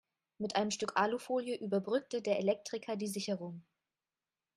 Mit einem Stück Alufolie überbrückte der Elektriker die Sicherung.